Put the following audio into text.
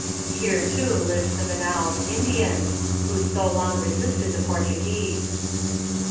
Here, too, lived the Manaos Indians, who so long resisted the Portuguese.